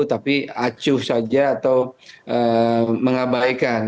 tapi acuh saja atau mengabaikan